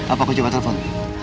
apa aku coba telepon